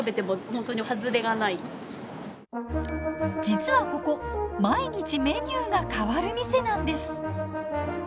実はここ毎日メニューが変わる店なんです。